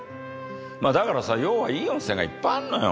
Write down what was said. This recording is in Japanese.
まあだからさ要はいい温泉がいっぱいあるのよ